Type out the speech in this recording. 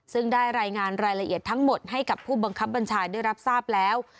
ซึ่งได้รายงานรายละเอียดทั้งหมดให้กับผู้บังคับบัญชาได้รับทราบแล้ว